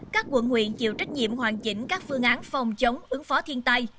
các quận huyện chịu trách nhiệm hoàn chỉnh các phương án phòng chống ứng phó thiên tai